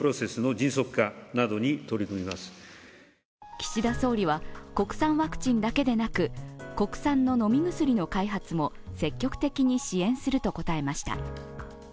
岸田総理は国産ワクチンだけでなく国産の飲み薬の開発も積極的に支援すると答えました。